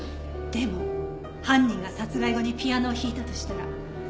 でも犯人が殺害後にピアノを弾いたとしたら。